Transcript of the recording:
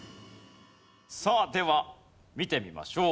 さあでは見てみましょう。